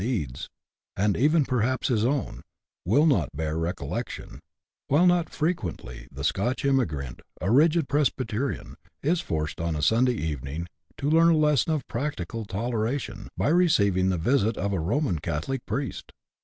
25 deeds, and even perhaps his own, will not bear recollection ; while not unfrequently the Scotch emigrant, a rigid Presbj^terian, is forced, on a Sunday evening, to learn a lesson of practical tole ration by receiving the visit of a Roman Catholic priest